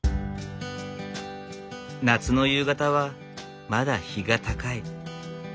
夏の夕方はまだ日が高い。